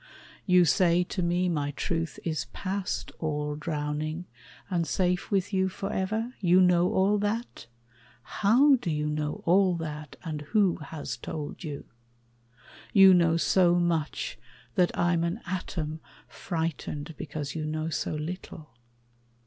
You say to me my truth is past all drowning, And safe with you for ever? You know all that? How do you know all that, and who has told you? You know so much that I'm an atom frightened Because you know so little.